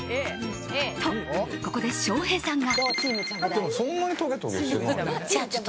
と、ここで翔平さんが。